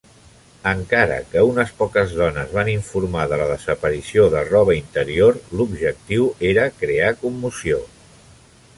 Encara que unes poques dones van informar de la desaparició de roba interior, l'objectiu era crear commoció.